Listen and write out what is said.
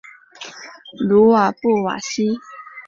鲁瓦布瓦西。